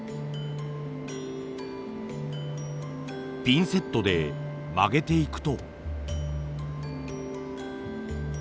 ピンセットで曲げていくと。